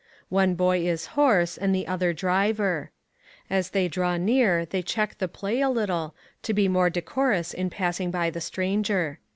One boy is horse, and the other driver. As they draw near, they check the play a little, to be more decorous in passing by the stranger.